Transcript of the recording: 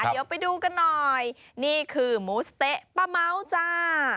เดี๋ยวไปดูกันหน่อยนี่คือหมูสะเต๊ะป้าเม้าจ้า